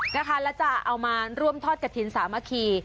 แล้วจะเอามาร่วมทอดกระถิ่นสามัคคี